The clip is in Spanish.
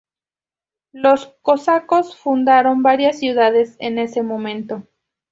Los cosacos fundaron varias ciudades en ese momento.